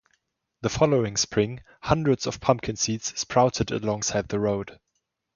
The following spring, hundreds of pumpkin seeds sprouted alongside the road.